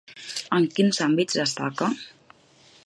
En quins àmbits destaca?